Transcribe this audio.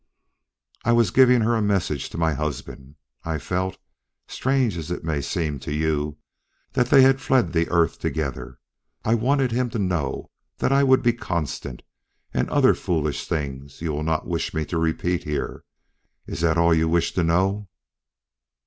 "I was giving her messages to my husband. I felt strange as it may seem to you that they had fled the earth together and I wanted him to know that I would be constant, and other foolish things you will not wish me to repeat here. Is that all you wish to know?"